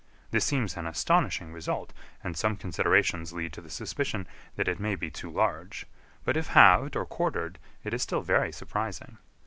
This seems an astonishing result, and some considerations lead to the suspicion that it may be too large, but if halved or quartered it is still very surprising.